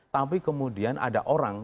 tapi kemudian ada orang